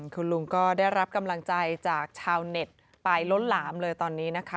คุณลุงก็ได้รับกำลังใจจากชาวเน็ตไปล้นหลามเลยตอนนี้นะคะ